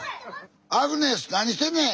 アグネス何してんねん！